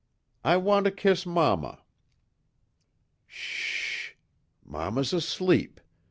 "I want to kiss mamma." "S h s h, mamma's asleep.